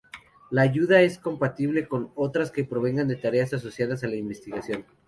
La ayuda es compatible con otras que provengan de tareas asociadas a la investigación.